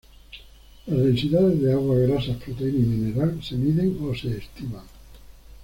Las densidades de agua, grasa, proteína y mineral se miden o se estiman.